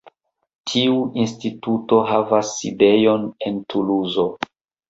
Tiu instituto havas sidejon en Tuluzo.